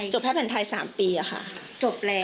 จบแพทย์แผ่นไทย๓ปีอะค่ะ